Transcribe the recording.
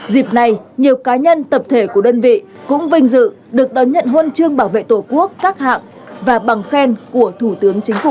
dịp này nhiều cá nhân tập thể của đơn vị cũng vinh dự được đón nhận huân chương bảo vệ tổ quốc các hạng và bằng khen của thủ tướng chính phủ